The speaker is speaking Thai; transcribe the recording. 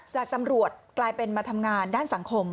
จากตำรวจกลายเป็นมาทำงานด้านสังคม